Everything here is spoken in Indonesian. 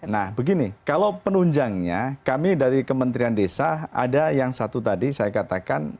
nah begini kalau penunjangnya kami dari kementerian desa ada yang satu tadi saya katakan